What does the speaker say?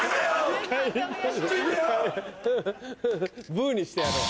ブにしてやろう。